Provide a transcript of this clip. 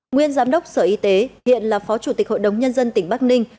nguyên giám đốc sở y tế hiện là phó chủ tịch hội đồng nhân dân tỉnh bắc ninh